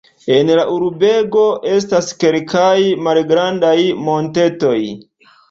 En la urbego estas kelkaj malgrandaj montetoj.